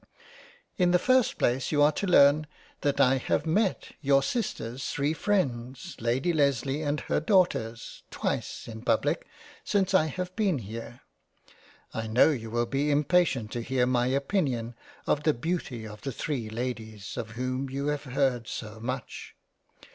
In the first place you are to learn that I have met your sisters three freinds Lady Lesley and her Daughters, twice in Public since I have been here. I know you will be im patient to hear my opinion of the Beauty of three Ladies of whom you have heard so much.